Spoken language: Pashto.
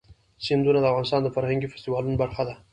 سیندونه د افغانستان د فرهنګي فستیوالونو برخه ده.